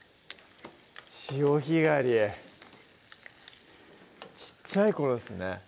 潮干狩り小っちゃい頃ですね